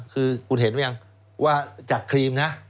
คือคุณเห็นหรือยังว่าจากครีมนะ